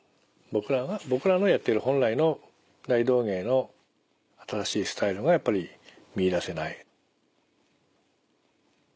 僕らのやってる本来の大道芸の新しいスタイルがやっぱり見いだせない。